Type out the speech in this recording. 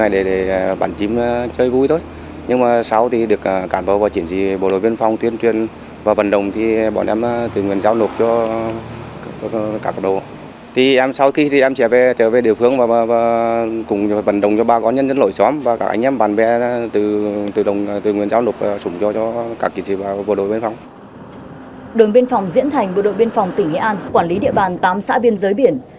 đồn biên phòng diễn thành bộ đội biên phòng tỉnh nghệ an quản lý địa bàn tám xã biên giới biển